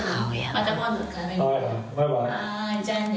はいじゃあね。